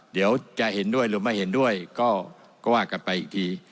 เดี๋ยวจะเห็นด้วยหรือไม่เห็นด้วยก็ว่ากลับไปอีกที